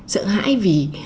sợ hãi vì